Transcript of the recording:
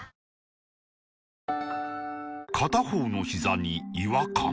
片方のひざに違和感